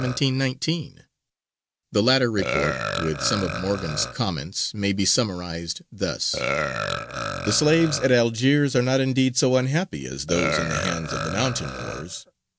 The latter report, with some of Morgan's comments, may be summarized thus: The slaves at Algiers are not indeed so unhappy as those in the hands of the mountain Moors.